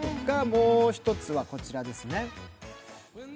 もう１つはこちらですね。